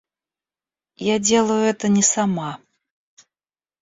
Я делаю это не сама...